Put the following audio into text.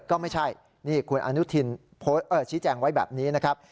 ก็ไม่ใช่นี่คุณอนุทินโพสต์ชี้แจงไว้แบบนี้นะครับ